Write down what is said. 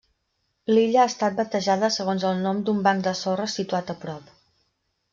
L'illa ha estat batejada segons el nom d'un banc de sorra situat a prop.